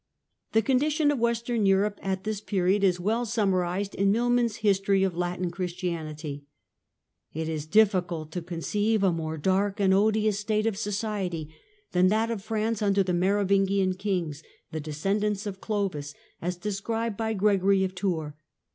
The condition of Western Europe at this period is well summarised in Milman's History of Latin Chris tianity :— Condition "It is difficult to conceive a more dark and odious Europe' 6 " 1 state of society than that of France under the Mero vingian kings, the descendants of Clovis, as described by Gregory of Tours.